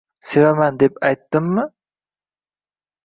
Sevaman, deb aytdimmi?